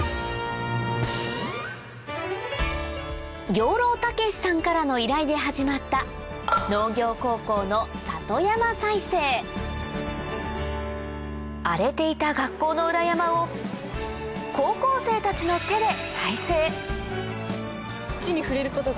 養老孟司さんからの依頼で始まった荒れていた学校の裏山を高校生たちの手で再生！